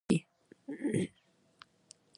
د منګولیا حکومت د بورخان خلدون غر چي په منګولیا کي